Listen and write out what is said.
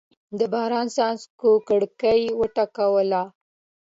د باران څاڅکو کړکۍ وټکوله.